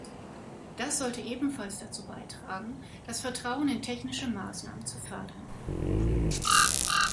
Das sollte ebenfalls dazu beitragen, das Vertrauen in technische Maßnahmen zu fördern.